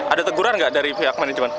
ada teguran nggak dari pihak manajemen